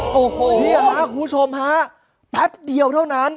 พี่หมาคุณผู้ชมฮะแป๊บเดียวเท่านั้น